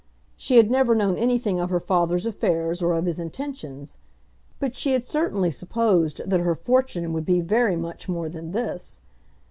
She had never known anything of her father's affairs or of his intentions, but she had certainly supposed that her fortune would be very much more than this.